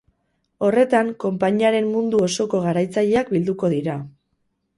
Horretan, konpainiaren mundu osoko garatzaileak bilduko dira.